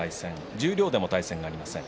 十両でも対戦がありません。